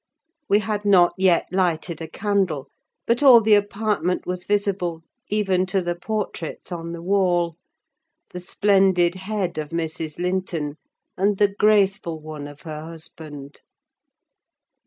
We had not yet lighted a candle, but all the apartment was visible, even to the portraits on the wall: the splendid head of Mrs. Linton, and the graceful one of her husband.